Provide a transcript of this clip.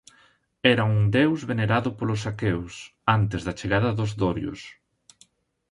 Era un deus venerado polos aqueos antes da chegada dos dorios.